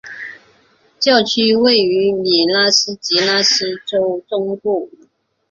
教区位于米纳斯吉拉斯州中部。